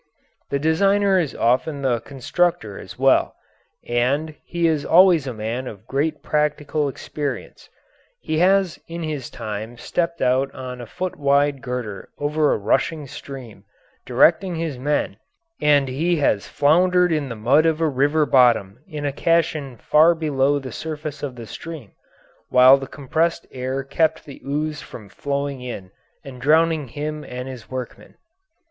The designer is often the constructor as well, and he is always a man of great practical experience. He has in his time stepped out on a foot wide girder over a rushing stream, directing his men, and he has floundered in the mud of a river bottom in a caisson far below the surface of the stream, while the compressed air kept the ooze from flowing in and drowning him and his workmen.